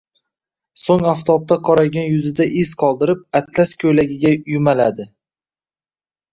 soʼng oftobda qoraygan yuzida iz qoldirib, atlas koʼylagiga yumaladi